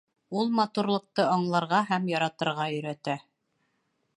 Ул матурлыҡты аңларға һәм яратырға өйрәтә